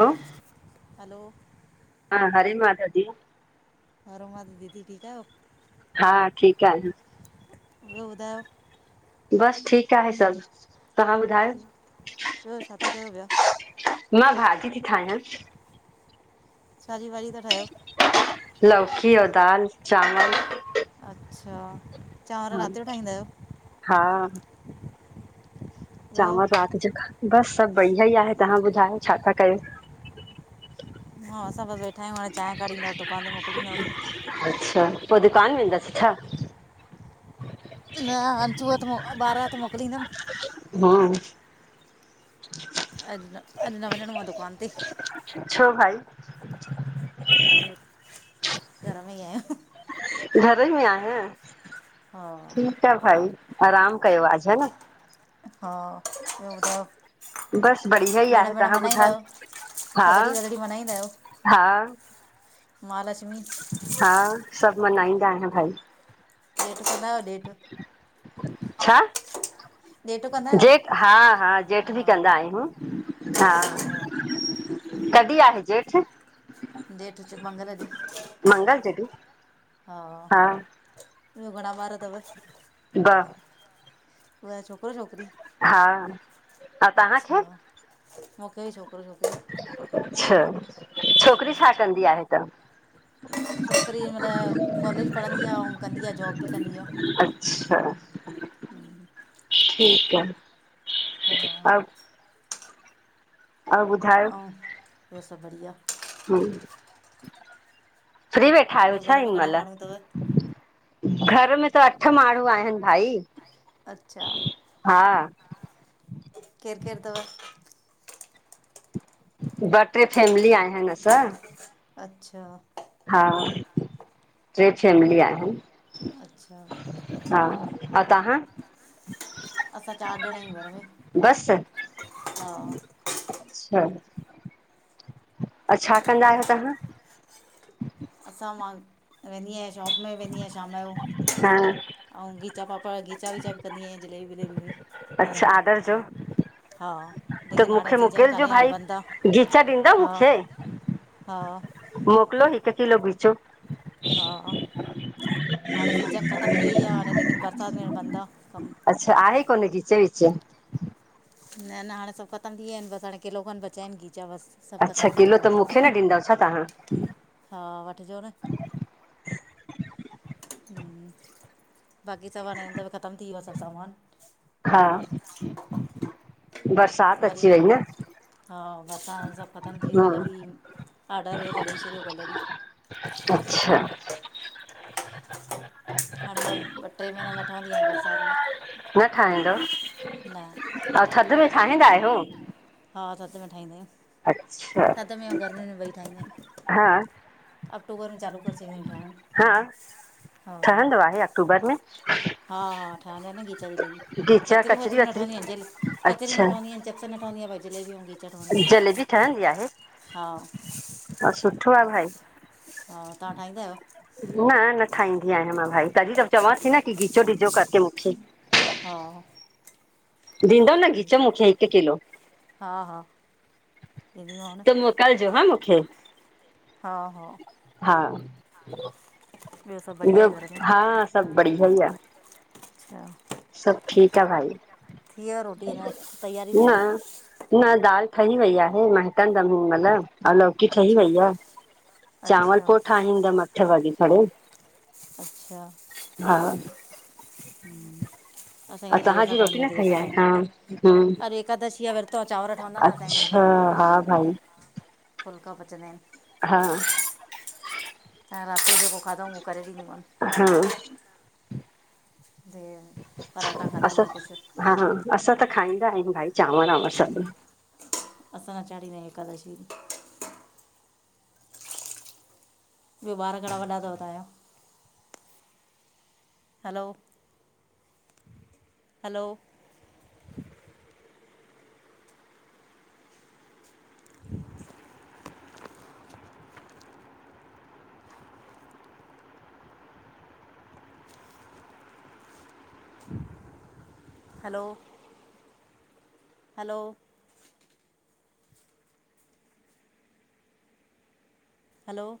ह् हैलो। हा, हरे माधव जी। हरो माधव दीदी, ठीकु आहियो? हा हाठीक आहियां। ॿियो ॿुधायो? बस ठीक आहे सब, तव्हां ॿुधायो? ॿियो छा था कयो पिया मां भाॼी थी ठायां। साॼी भाॼी था ठाहयो? लौकी और दाल चांवल अच्छा चांवर राति जो ठाहींदा आहियो हा ॿियो चांवर रात जो, बस सब बढ़िया ई आहे। तव्हां ॿुधायो छा था कयो? हा असां बस वेठा आहियूं, हाणे चाय काढींदासीं दुकान ते मोकलींदासीं। अच्छा, पो दुकान वेंदासीं छा? न हथों हथ, ॿारहं त मोकिलींदम हा अच्छा अॼु न वनरों आ दुकान ते? छो भाई? अॼ घर में ही आयो न घर में आहियां, हा ठीक आ भाई, आराम कयो अज है न। हा, ॿियो ॿुधायो? बस बढ़िया ही आहे, तव्हां ॿुधायो? हा थदड़ी वदड़ी मनाईंदा आयो? हा महालक्ष्मी हा सभ मनाईंदा आहिन न भाई। ॾे कंदा आयो ॾेढ? छा? [inaudible] आहियो जेठ हा हा ॼेठ भी हा कंदा आहियूं हा। अच्छा कॾी आ ॼेठ? ॼेठ च मंगल जो मंगल जॾहिं हा। ॿियो घणा ॿार थव? ॿ ॿ छोकरो छोकरी? हा ऐं तव्हांखे अच्छा मूंखे छोकरो छोकरी अच्छा, छोकरी छा कंदी आहे त? छोकरी मन कॉलेज पढ़ंदी आ, आऊं कंदी आ जॉब भी कंदी आ अच्छा ठीक आ हा ऐं ॿुधायो आऊं ॿियो सभ बढ़िया? ह, फ्री वेठा आयो ॿियो छा घर में इन घणा मेल? माण्हू अथव घर में त अठ माण्हू आहिन भाई। अच्छा, हा केर केर थव? ॿ टे फैमिलीय आहिन असां अच्छा हा टे फैमली आहिन। अच्छा हा अऊं तहां? असां चार ॼणा आयूं घर में। बस हा अच्छा अ छा कंदा आहियो तांह असां मां वेंदीयां जांब में वेंदीयां शाम जो हा ऐंऊ गीचा पापड़ गीचा वीचा ॿि कंदी आहिया जलेबी बीन में अच्छा आदर जो हा त लेकिन हाणे मूंखे सीजन मोकिलजो कान्हे हाणे भाई बंदि आहे गीचा ॾींदो हा मूंखे हा मोकिलियो हिकु किलो खींचो हा हाणे सीजन ख़तम थी वई आ हाणे लेकिन बरसाति में बंद आ कमु अच्छा आहे कोन खीच विच न न हाणे सभु ख़तम थी विया आहिनि बसि हाणे किलो खनि बचा आहिनि खीचा बसि सभु अच्छा ख़तमु थी वियो किलो त मूंखे सामान न ॾींदव छा तांह हा वठिजो न हम बाक़ी स ने त बि ख़तम थी व स सामान [unintelligible] हा बरसाति वरी अची वई न हा बरसां सभु ख़तमु थी वियो कल्ह हम्म बि ऑडर त ॾेई छॾियो कल्ह बि अचछा हाणे त ॿ ट्रे महीना न ठहंदी आहिनि बरसाति में न ठाहींदो न अ थधि में ठाहींदा आहियो हा थध में ठाहींदा आहियूं अच्छा थधि में ऐं गर्मी में ॿई ठाहींदायूं हा अक्टूबर में चालू करे छडिदायूं ठायिण ह ठहंदो आहे अक्टूबर में हा हा ठहंदा आहिनि न खीचा जलेबी गिचा कचरियूं कचरी वचरियूं न वचरी ठहंदीूं आहिनि जेल कचरियूं न अच्छा ठहंदीूं आहिनि चि नि ठाूंी भईिले हूंी [unintelligible] जलेबी ठहंदी आहे हा ह सुठो आहे भाई हा तांव्ह ठाहींदा आहियो न न ठाहींदी आहियां मां भाई तॾहिं त चवां थी न की गीचो डीजो करके मूंखे हा ॾींदो न खिचा मूंखे हिकु किलो हा हा ॾींदीमांव न त मोकिलजो हा मूंखे हा हा हा ॿियो सभु बढ़िया ब्यो आहे घर में हा सभ बढ़िया ई आ अच्छा सभु ठीकु आ भाई थी वियो रोटी अञा तयारी थी हले न न दालि ठही वई आहे मनंटंदमि हिन मल अ लौकी ठही अच्छा वई आहे चांवल अच्छा पो ठाहींदमि अठ वॻे कणे अच्छा हा असां जे ऐं धर इ देर सां तव्हांजी ढवंदी रोटी आ न देर खाई सां आहे ठाईंदा हा हम्म ऐन कल एकादशीया विर्त चांवर ठहंदा न असांजे घर में, अच्छा हा भाई फुलका पचंदा आहिनि। हा त राति जो जेको खाधऊं उहो करे ॾींदीमनि। हम्म हम्म, पराठा खाधायूं असां या कुझु हा असां त खाईंदा आहियूं भाई चांवर- वांवर सभु। असां न चाणींदा आहियूं एकादशी ॿियो ॿार घणा वॾा थव तव्हां जा? हलो, हलो हलो, हलो हलो